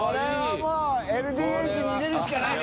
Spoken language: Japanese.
もう「ＬＤＨ」に入れるしかないよね。